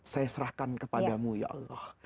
saya serahkan kepada mu ya allah